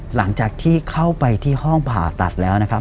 หลังจากที่เข้าไปที่ห้องผ่าตัดแล้วนะครับ